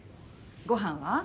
ご飯は？